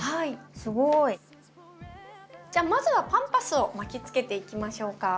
すごい。じゃあまずはパンパスを巻きつけていきましょうか。